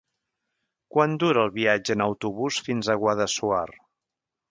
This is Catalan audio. Quant dura el viatge en autobús fins a Guadassuar?